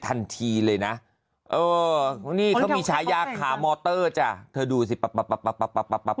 ทันทีเลยนะนี่เขามีชายยากขามอเตอร์จะเธอดูสิป่ะป่ะป่ะป่ะป่ะ